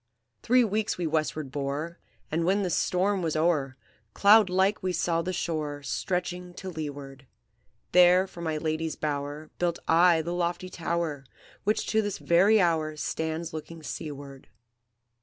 "Three weeks we westward bore, And when the storm was o'er, Cloud like we saw the shore Stretching to leeward; There for my lady's bower Built I the lofty tower Which to this very hour Stands looking seaward.